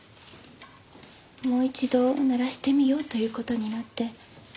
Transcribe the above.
もう一度鳴らしてみようという事になって。